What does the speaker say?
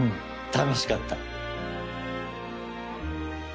楽しかった。